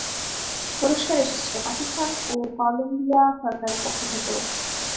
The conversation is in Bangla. পুরস্কার এসেছে পাকিস্তান ও কলম্বিয়া সরকারের পক্ষ থেকেও।